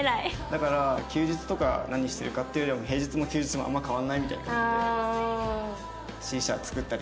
だから休日とか何してるかっていうよりは平日も休日もあんま変わんないみたいになって。